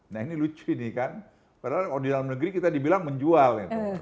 nah ini lucu ini kan padahal kalau di dalam negeri kita dibilang menjual